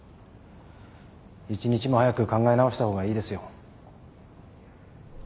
一日も早く考え直した方がいいですよ。